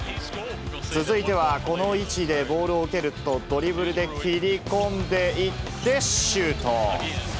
続いては、この位置でボールを受けると、ドリブルで切り込んでいって、シュート。